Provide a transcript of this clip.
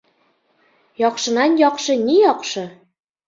Яҡшынан яҡшы ни яҡшы?